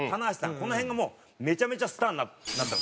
この辺がもうめちゃめちゃスターになったの。